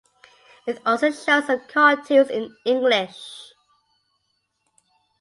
It also shows some cartoons in English.